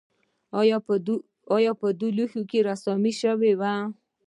په دې لوښو کې رسامي شوې وه